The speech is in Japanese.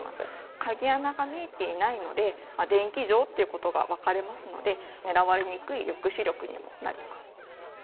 鍵穴が見えていないので、電気錠ということが分かりますので、狙われにくい抑止力にもなります。